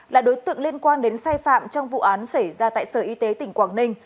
là đối tượng liên quan đến sai phạm trong vụ án xảy ra tại sở y tế tỉnh quảng ninh